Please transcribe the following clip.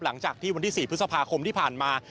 หลังจากที่วันที่๔พฤษภาคมที่ผ่านมา